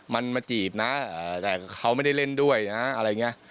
มันมาจีบนะแต่เขาไม่ได้เล่นด้วยนะอะไรอย่างนี้